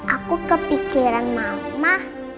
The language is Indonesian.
aku kepikiran mama